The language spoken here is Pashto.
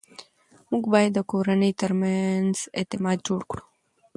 موږ باید د کورنۍ ترمنځ اعتماد جوړ کړو